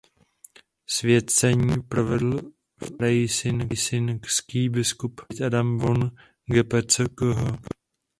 Svěcení provedl freisingský biskup Veit Adam von Gepeckh.